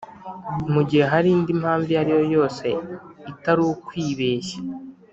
Mu gihe hari indi mpamvu iyo ariyo yose itari ukwibeshya